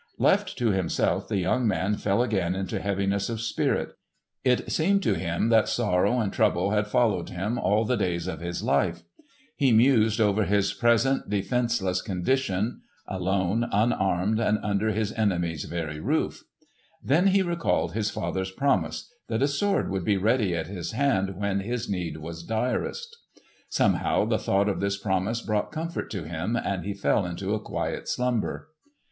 Left to himself the young man fell again into heaviness of spirit. It seemed to him that sorrow and trouble had followed him all the days of his life. He mused over his present defenceless condition—alone, unarmed and under his enemy's very roof. Then he recalled his father's promise, that a sword would be ready at his hand when his need was direst. Somehow the thought of this promise brought comfort to him, and he fell into a quiet slumber.